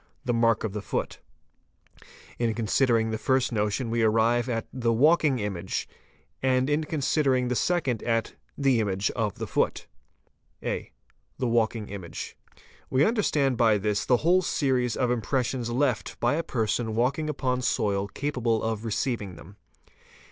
"the m of a foot'. In considering the first notion we arrive at the " walking image '', and in considering the second at the "image of the foot". yw ie THE TRACE 517 (a) The walking image. 'We understand by this the whole series of impressions left by a person walking upon soil capable of receiving them.